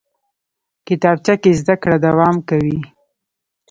کتابچه کې زده کړه دوام کوي